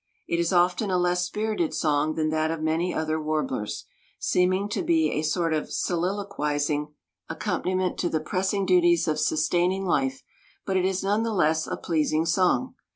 It is often a less spirited song than that of many other warblers, seeming to be a sort of soliloquizing accompaniment to the pressing duties of sustaining life, but it is none the less a pleasing song.